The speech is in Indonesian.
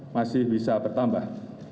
masih bisa bertambah